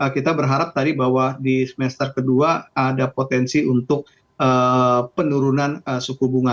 kita berharap tadi bahwa di semester kedua ada potensi untuk penurunan suku bunga